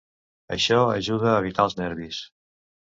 Això ajuda a evitar els nervis.